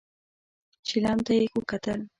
چيلم ته يې وکتل.